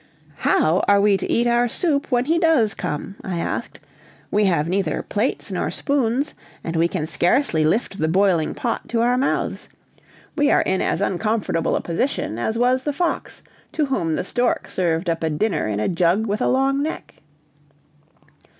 "How are we to eat our soup when he does come?" I asked; "we have neither plates nor spoons, and we can scarcely lift the boiling pot to our mouths. We are in as uncomfortable a position as was the fox to whom the stork served up a dinner in a jug with a long neck."